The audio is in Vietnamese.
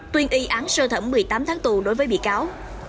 tuyên y án sơ thẩm một mươi tám tháng tù đối với bị cáo